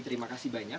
terima kasih banyak